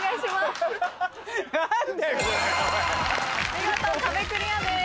見事壁クリアです。